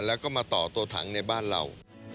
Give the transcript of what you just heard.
แล้วก็มาต่อตัวถังในบ้านเรา